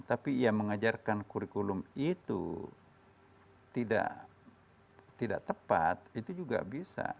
tapi ia mengajarkan kurikulum itu tidak tepat itu juga bisa